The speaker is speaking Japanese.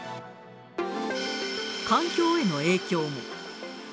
環境への影響も。